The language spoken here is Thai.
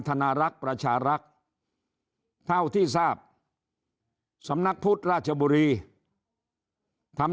ธนารักษ์ประชารักษ์เท่าที่ทราบสำนักพุทธราชบุรีทำ